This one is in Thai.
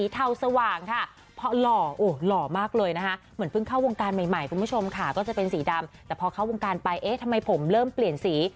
แต่พอเข้าวงการทำไมผมเริ่มเปลี่ยนสี